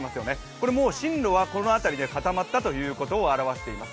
これ、進路はこの辺りで固まったということを表しています。